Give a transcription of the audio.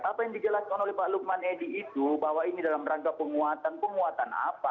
apa yang dijelaskan oleh pak lukman edi itu bahwa ini dalam rangka penguatan penguatan apa